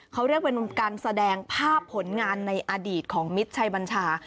เขาเรียกเป็นการแสดงภาพผลงานในอดีตของมิตรชัยบัญชา